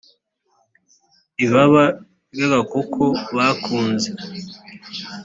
ibaba ry’agakoko bakunze